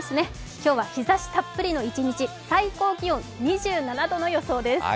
今日は日ざしたっぷりの一日、最高気温２７度の予想です。